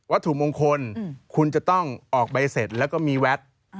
ถุมงคลคุณจะต้องออกใบเสร็จแล้วก็มีแวด